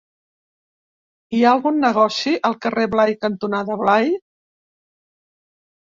Hi ha algun negoci al carrer Blai cantonada Blai?